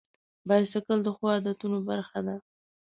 بایسکل د ښو عادتونو برخه ده.